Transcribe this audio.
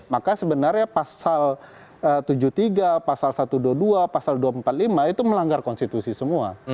maka sebenarnya pasal tujuh puluh tiga pasal satu ratus dua puluh dua pasal dua ratus empat puluh lima itu melanggar konstitusi semua